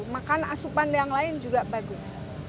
makan asupan yang lain juga bagus